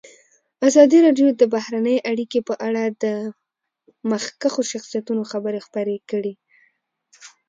ازادي راډیو د بهرنۍ اړیکې په اړه د مخکښو شخصیتونو خبرې خپرې کړي.